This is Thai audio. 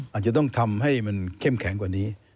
อาจจะต้องทำให้มันเข้มแข็งกว่านี้